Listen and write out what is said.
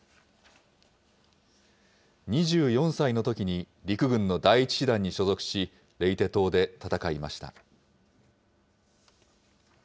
２４歳のときに陸軍の第一師団に所属し、レイテ島で戦いました。